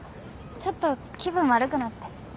ちょっと気分悪くなって。